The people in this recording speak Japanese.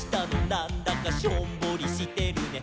なんだかしょんぼりしてるね」